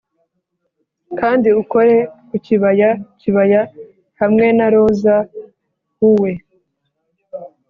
kandi ukore ku kibaya-kibaya hamwe na roza hue;